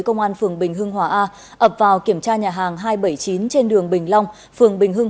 công an phường bình hưng hòa a ập vào kiểm tra nhà hàng hai trăm bảy mươi chín trên đường bình long phường bình hưng